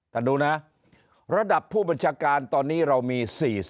ดูนะระดับผู้บัญชาการตอนนี้เรามี๔๐